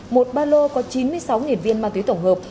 một ba lô có chín mươi sáu viên ma túy tổng hợp